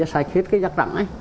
sạch hết cái rác trắng ấy